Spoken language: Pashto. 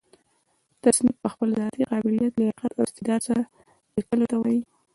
تصنیف په خپل ذاتي قابلیت، لیاقت او استعداد سره؛ ليکلو ته وايي.